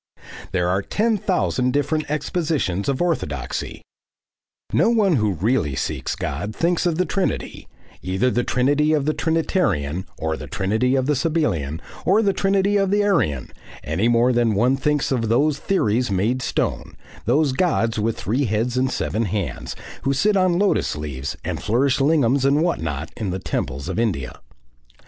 There are ten thousand different expositions of orthodoxy. No one who really seeks God thinks of the Trinity, either the Trinity of the Trinitarian or the Trinity of the Sabellian or the Trinity of the Arian, any more than one thinks of those theories made stone, those gods with three heads and seven hands, who sit on lotus leaves and flourish lingams and what not, in the temples of India.